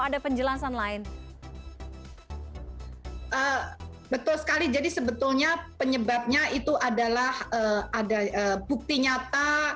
ada penjelasan lain hai betul sekali jadi sebetulnya penyebabnya itu adalah ada bukti nyata